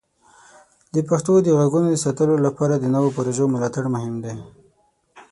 د پښتو د غږونو د ساتلو لپاره د نوو پروژو ملاتړ مهم دی.